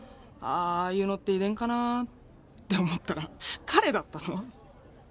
あああいうのって遺伝かなって思ったら彼だったの。